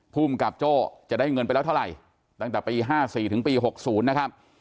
ภูมิกับโจ้จะได้เงินไปแล้วเท่าไหร่ตั้งแต่ปี๕๔ถึงปี๖๐นะครับ